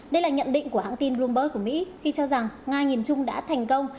đây là nhận định của hãng tin bloomberg của mỹ khi cho rằng nga nhìn chung đã thành công